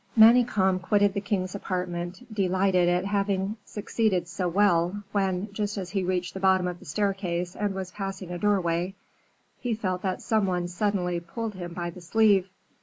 Manicamp quitted the king's apartment, delighted at having succeeded so well, when, just as he reached the bottom of the staircase and was passing a doorway, he felt that some one suddenly pulled him by the sleeve.